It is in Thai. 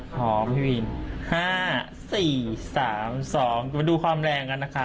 พร้อมพี่วิน๕๔๓๒มาดูความแรงกันนะคะ